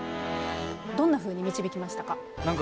どんなふうに導きましたか？